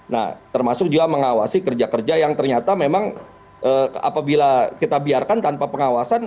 nah termasuk juga mengawasi kerja kerja yang ternyata memang apabila kita biarkan tanpa pengawasan